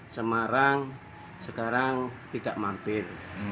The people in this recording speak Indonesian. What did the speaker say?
semarang sekarang tidak mampir